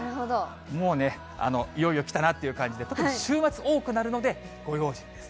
もうね、いよいよ来たなという感じで、特に、週末多くなるので、ご用心です。